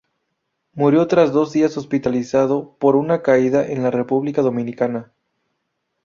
Murió tras dos días hospitalizado por una caída en la República Dominicana.